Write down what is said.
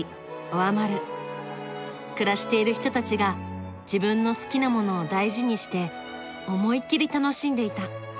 暮らしている人たちが自分の好きなものを大事にして思い切り楽しんでいた。